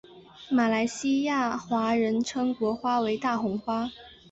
马来西亚华人称国花为大红花。